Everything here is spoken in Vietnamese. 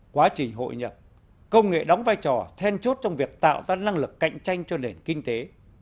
quá trình hội nhập công nghệ đóng vai trò then chốt trong việc tạo ra năng lực cạnh tranh cho nền kinh tế